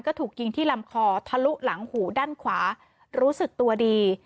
ก็ถูกยิงที่ลำคอทะลุหลังหูด้านขวารู้สึกตัวดี